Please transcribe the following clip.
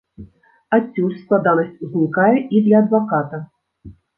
Адсюль складанасць узнікае і для адваката.